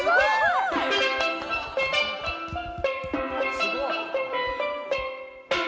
すごい！